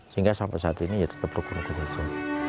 sehingga sampai saat ini tetap bergurau gurau gitu